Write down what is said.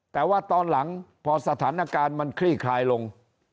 แต่ว่าตอนหลังพอสถานการณ์มันคลี่คลายลง